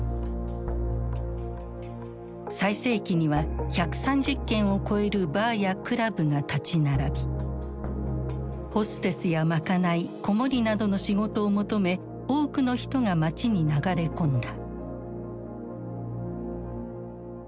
最盛期には１３０軒を超えるバーやクラブが立ち並びホステスや賄い子守りなどの仕事を求め多くの人が街に流れ込んだ。